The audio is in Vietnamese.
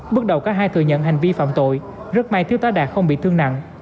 bước đầu các hai thừa nhận hành vi phạm tội rất may thiếu tá đạt không bị thương nặng